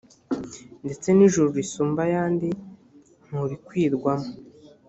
ndetse n ijuru risumba ayandi nturikwirwamo